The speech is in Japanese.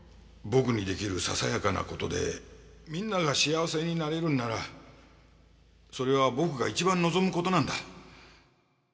僕にできるささやかな事でみんなが幸せになれるんならそれは僕が一番望む事なんだ。